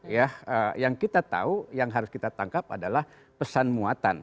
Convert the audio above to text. ya yang kita tahu yang harus kita tangkap adalah pesan muatan